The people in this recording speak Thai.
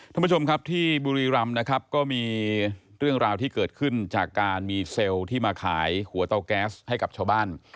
ท่านผู้ชมครับที่บุรีรำนะครับก็มีเรื่องราวที่เกิดขึ้นจากการมีเซลล์ที่มาขายหัวเตาแก๊สให้กับชาวบ้าน